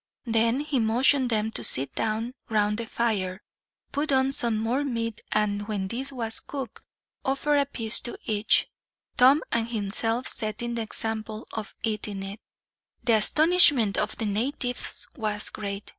Then he motioned them to sit down round the fire, put on some more meat and, when this was cooked, offered a piece to each, Tom and himself setting the example of eating it. The astonishment of the natives was great.